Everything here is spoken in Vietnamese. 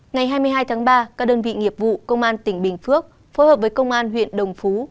ngày hai mươi hai tháng ba các đơn vị nghiệp vụ công an tỉnh bình phước phối hợp với công an huyện đồng phú